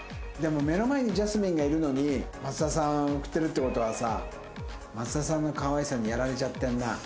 でも目の前にジャスミンがいるのに益田さん送ってるって事はさ益田さんの可愛さにやられちゃってるな。